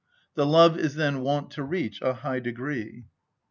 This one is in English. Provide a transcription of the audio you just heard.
The love is then wont to reach a high degree.